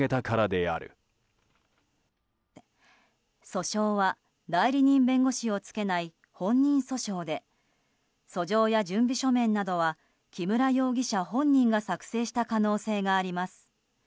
訴訟は代理人弁護士をつけない本人訴訟で訴状や準備書面などは木村容疑者本人が作成した可能性があります。